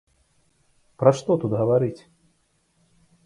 Пра што тут гаварыць!